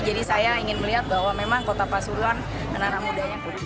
jadi saya ingin melihat bahwa memang kota pasuruan anak anak mudanya putih